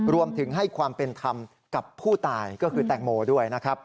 รวมถึงให้ความเป็นธรรมกับผู้ตายก็คือแตงโมด้วยนะครับ